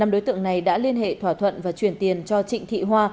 năm đối tượng này đã liên hệ thỏa thuận và chuyển tiền cho trịnh thị hoa